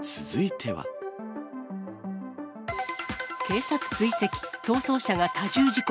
警察追跡、逃走車が多重事故。